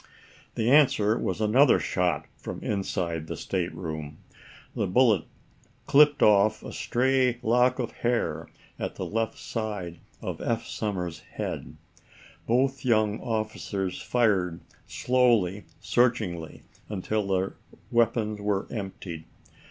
The answer was another shot from inside the stateroom. The bullet clipped off a stray lock of hair at the left side of Eph Somers's head. Both young officers fired slowly, searchingly, until their weapons were emptied.